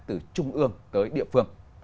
từ trung ương tới địa phương